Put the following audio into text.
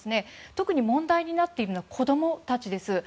特に問題になっているのが子供たちです。